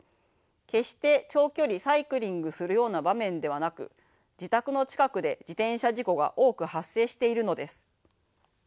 決して長距離サイクリングするような場面ではなく自宅の近くで自転車事故が多く発生しているのです。